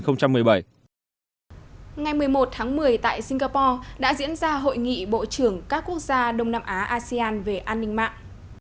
ngày một mươi một tháng một mươi tại singapore đã diễn ra hội nghị bộ trưởng các quốc gia đông nam á asean về an ninh mạng